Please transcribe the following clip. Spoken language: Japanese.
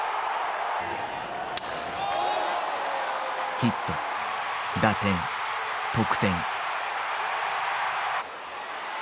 ヒット打点得点。